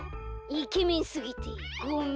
イケメンすぎてごめん。